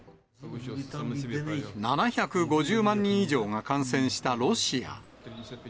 ７５０万人以上が感染したロシア。